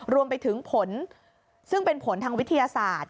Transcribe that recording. รวมไปถึงผลซึ่งเป็นผลทางวิทยาศาสตร์